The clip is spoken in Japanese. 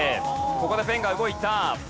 ここでペンが動いた。